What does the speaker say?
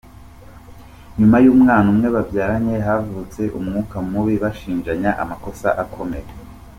Nyuma y'umwana umwe babyaranye, havutse umwuka mubi bashinjanya amakosa akomeye.